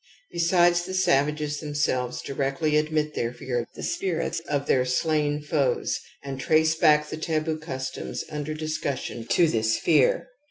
Besides, the savages themselves directly admit their fear for the spirita of their slain foes and trace back the taboo customs imder discussion to this fear.